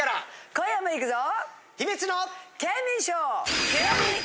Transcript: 今夜もいくぞ！